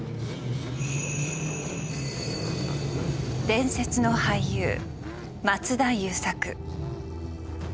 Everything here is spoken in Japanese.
伝説の俳優松田優作。